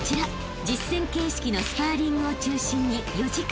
［実戦形式のスパーリングを中心に４時間］